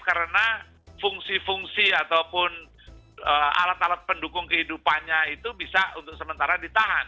karena fungsi fungsi ataupun alat alat pendukung kehidupannya itu bisa untuk sementara ditahan